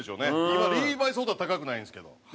今リーバイスほどは高くないんですけど。